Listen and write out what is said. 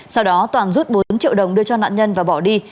sau đó toàn rút bốn triệu đồng đưa cho nạn nhân và bỏ đi